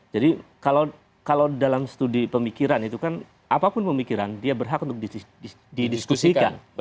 jadi kalau dalam studi pemikiran itu kan apapun pemikiran dia berhak untuk didiskusikan